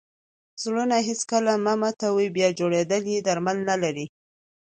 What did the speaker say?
زړونه هېڅکله مه ماتوئ! بیا جوړېدل ئې درمل نه لري.